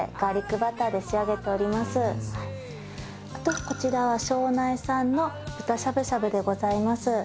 あとこちらは庄内産の豚しゃぶしゃぶでございます。